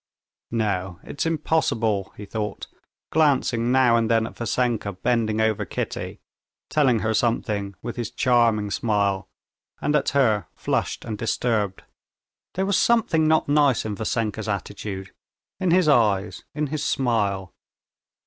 "No, it's impossible," he thought, glancing now and then at Vassenka bending over Kitty, telling her something with his charming smile, and at her, flushed and disturbed. There was something not nice in Vassenka's attitude, in his eyes, in his smile.